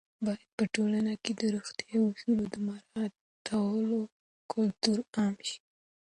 باید په ټولنه کې د روغتیايي اصولو د مراعاتولو کلتور عام شي.